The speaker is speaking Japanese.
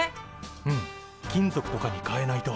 うん金属とかにかえないと。